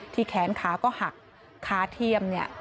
แขนขาก็หักขาเทียมเนี่ย